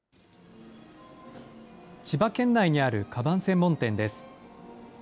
千葉県内にあるかばん専門店です。